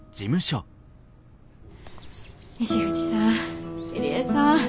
西口さん入江さん。